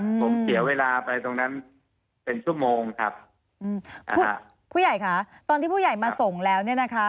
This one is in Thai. ผมเสียเวลาไปตรงนั้นเป็นชั่วโมงครับอืมผู้ผู้ใหญ่ค่ะตอนที่ผู้ใหญ่มาส่งแล้วเนี่ยนะคะ